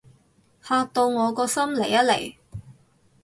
嚇到我個心離一離